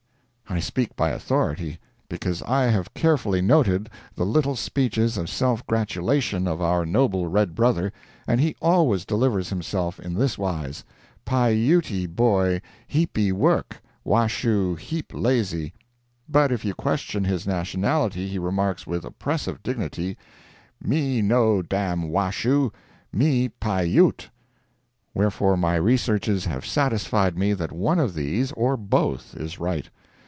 I speak by authority. Because I have carefully noted the little speeches of self gratulation of our noble red brother, and he always delivers himself in this wise: "Pi Uty boy heepy work—Washoe heep lazy." But if you question his nationality, he remarks, with oppressive dignity: "Me no dam Washoe—me Pi Ute!" Wherefore, my researches have satisfied me that one of these, or both, is right.